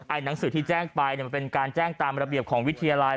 หนังสือที่แจ้งไปมันเป็นการแจ้งตามระเบียบของวิทยาลัย